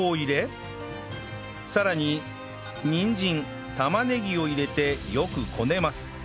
さらににんじん玉ねぎを入れてよくこねます